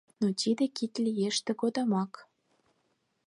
Но тиде кид лиеш тыгодымак